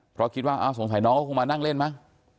เพราะคิดว่าสงสัยน้องก็คงมานั่งเล่นมั้ง